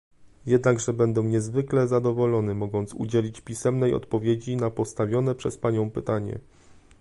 Jednakże będę niezwykle zadowolony mogąc udzielić pisemnej odpowiedzi na postawione przez panią pytanie